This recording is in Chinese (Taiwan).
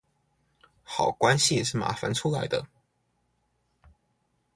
好關係是麻煩出來的